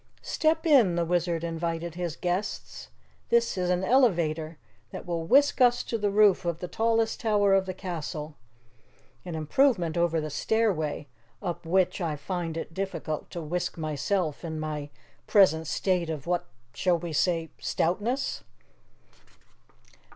"Step in," the Wizard invited his guests. "This is an elevator that will whisk us to the roof of the tallest tower of the castle an improvement over the stairway, up which I find it difficult to whisk myself in my present state of, shall we say stoutness?